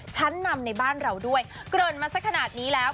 ชั้นนำในบ้านเราด้วยเกริ่นมาสักขนาดนี้แล้ว